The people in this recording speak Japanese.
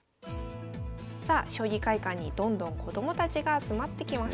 さあ将棋会館にどんどん子どもたちが集まってきました。